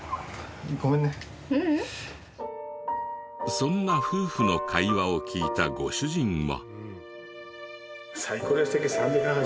そんな夫婦の会話を聞いたご主人は。